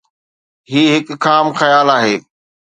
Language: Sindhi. هي هڪ خام خيال آهي.